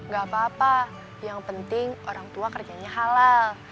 gak apa apa yang penting orang tua kerjanya halal